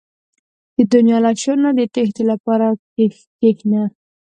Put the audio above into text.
• د دنیا له شور نه د تیښتې لپاره کښېنه.